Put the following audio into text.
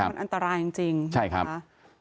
เพราะมันอันตรายจริงใช่ครับ